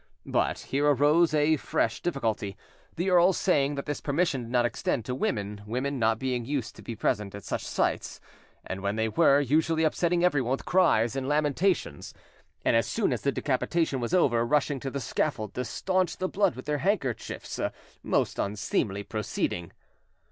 But here arose a fresh difficulty, the earls saying that this permission did not extend to women, women not being used to be present at such sights, and when they were, usually upsetting everyone with cries and lamentations, and, as soon as the decapitation was over, rushing to the scaffold to staunch the blood with their handkerchiefs—a most unseemly proceeding.